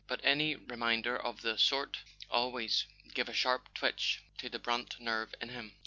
But any reminder of the sort always gave a sharp twitch to the Brant nerve in him.